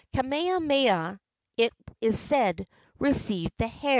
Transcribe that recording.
Kamehameha, it is said, received the hair.